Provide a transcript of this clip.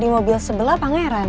di mobil sebelah pangeran